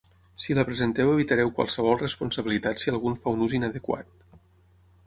Si la presenteu evitareu qualsevol responsabilitat si algú en fa un ús inadequat.